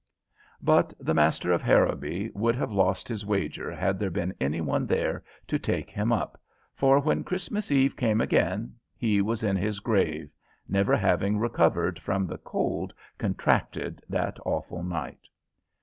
But the master of Harrowby would have lost his wager had there been any one there to take him up, for when Christmas Eve came again he was in his grave, never having recovered from the cold contracted that awful night.